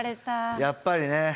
やっぱりね。